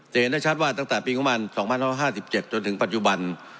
เห็นได้ชัดว่าตั้งแต่ปี๒๕๕๗จนถึงปัจจุบัน